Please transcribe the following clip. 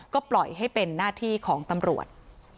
ก็ปล่อยให้เป็นหน้าที่ของตำรวจ